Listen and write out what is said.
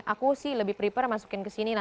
aku sih lebih prepare masukin ke sini